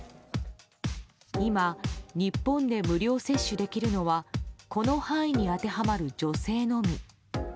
今、日本で無料接種できるのはこの範囲に当てはまる女性のみ。